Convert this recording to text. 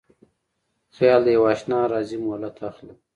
خیال د یواشنا راځی مهلت اخلي